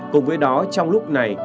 cùng với đó trong lúc này